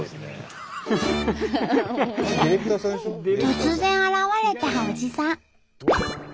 突然現れたおじさん。